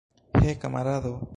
He, kamarado!